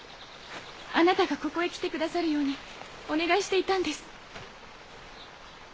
あなたがここへ来てくださるようにお願いしていたんです。